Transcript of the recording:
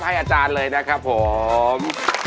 อาจารย์เลยนะครับผม